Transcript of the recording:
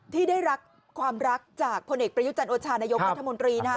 ที่ได้รักความรักจากพลเอกประยุจันโอชานายกรัฐมนตรีนะฮะ